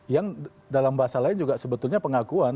yang dalam bahasa lain juga sebetulnya pengakuan